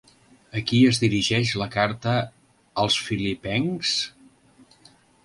A qui es dirigeix la «Carta als Filipencs»?